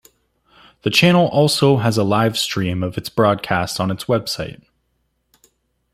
The channel also has a live stream of its broadcast on its website.